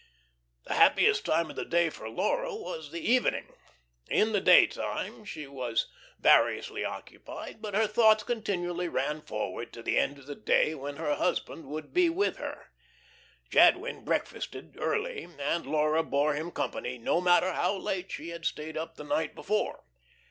The happiest time of the day for Laura was the evening. In the daytime she was variously occupied, but her thoughts continually ran forward to the end of the day, when her husband would be with her. Jadwin breakfasted early, and Laura bore him company no matter how late she had stayed up the night before.